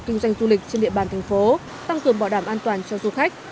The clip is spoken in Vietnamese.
kinh doanh du lịch trên địa bàn thành phố tăng cường bảo đảm an toàn cho du khách